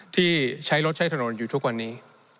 ที่ใช้รถใช้ถนนอยู่ทุกวันนี้